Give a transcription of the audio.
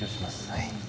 はい。